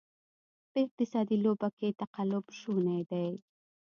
په اقتصادي لوبه کې تقلب شونې دی.